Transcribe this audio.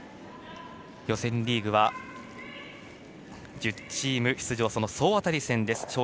予選リーグは、１０チーム出場しその総当たり戦です。